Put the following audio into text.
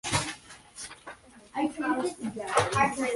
Sporting Pro offer a similar Reward Card scheme as Matalan.